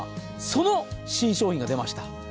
その新商品が出ました。